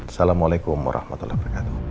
assalamualaikum warahmatullahi wabarakatuh